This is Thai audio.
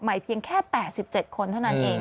เพียงแค่๘๗คนเท่านั้นเอง